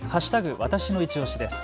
わたしのいちオシです。